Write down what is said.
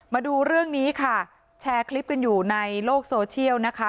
มาดูเรื่องนี้ค่ะแชร์คลิปกันอยู่ในโลกโซเชียลนะคะ